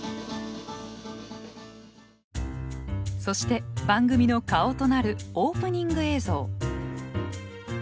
そして番組の顔となるオープニング映像。